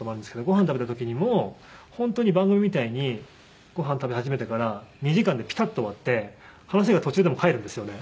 ご飯食べた時にも本当に番組みたいにご飯食べ始めてから２時間でピタッと終わって話が途中でも帰るんですよね。